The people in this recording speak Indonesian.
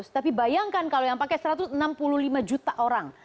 tapi bayangkan kalau yang pakai satu ratus enam puluh lima juta orang